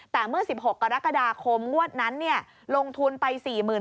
แต่เมื่อ๑๖กรกฎาคมงวดนั้นลงทุนไป๔๐๐